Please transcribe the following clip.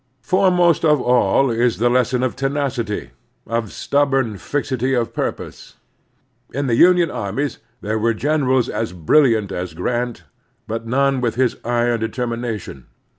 Foremost of all is the lesson of tenacity, of stubborn fixity of purpose. In the Union armies there were generals as brilliant as Grant, but none with his iron determination.